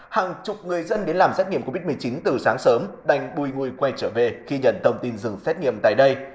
hàng chục người dân đến làm xét nghiệm covid một mươi chín từ sáng sớm đành bùi ngùi quay trở về khi nhận thông tin dừng xét nghiệm tại đây